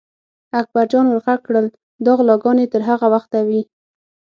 اکبر جان ور غږ کړل: دا غلاګانې تر هغه وخته وي.